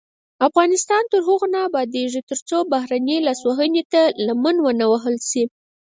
افغانستان تر هغو نه ابادیږي، ترڅو بهرنۍ لاسوهنې ته لمن ونه وهل شي.